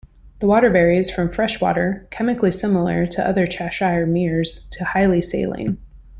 The water varies from freshwater, chemically similar to other Cheshire meres, to highly saline.